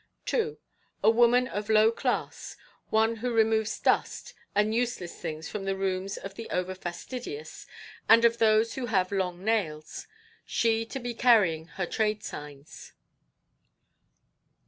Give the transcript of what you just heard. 2. A woman of low class. One who removes dust and useless things from the rooms of the over fastidious and of those who have long nails; she to be carrying her trade signs.